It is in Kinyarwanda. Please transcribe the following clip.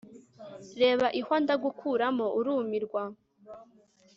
Reba ihwa ndagukuramo urumirwa